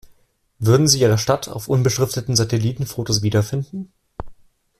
Würden Sie Ihre Stadt auf unbeschrifteten Satellitenfotos wiederfinden?